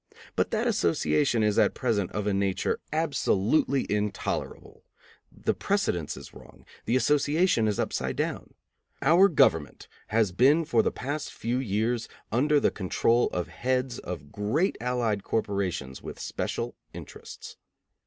But that association is at present of a nature absolutely intolerable; the precedence is wrong, the association is upside down. Our government has been for the past few years under the control of heads of great allied corporations with special interests.